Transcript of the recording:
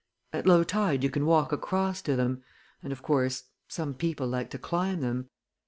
At low tide you can walk across to them. And of course, some people like to climb them.